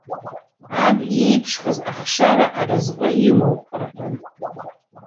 Аб иеиԥшхаз ахшара аразҟы имоуп, рҳәон!